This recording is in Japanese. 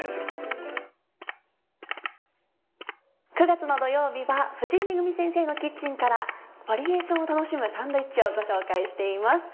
９月の土曜日は藤井恵先生のキッチンからバリエーションを楽しむサンドイッチをご紹介しています。